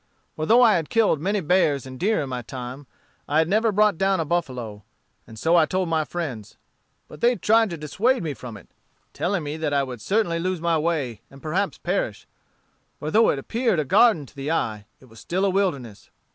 For though I had killed many bears and deer in my time, I had never brought down a buffalo, and so I told my friends. But they tried to dissuade me from it, telling me that I would certainly lose my way, and perhaps perish; for though it appeared a garden to the eye, it was still a wilderness.